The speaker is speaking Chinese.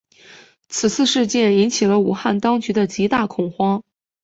此次事件引起了武汉当局的极大恐慌。